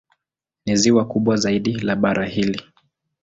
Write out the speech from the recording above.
Ni ziwa kubwa zaidi la bara hili.